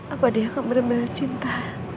apa dia akan benar benar cinta